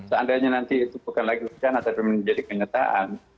seandainya nanti itu bukan lagi rencana tapi menjadi kenyataan